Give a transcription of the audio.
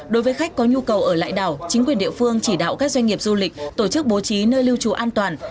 đối với khách có nhu cầu ở lại đảo chính quyền địa phương chỉ đạo các doanh nghiệp du lịch tổ chức bố trí nơi lưu trù an toàn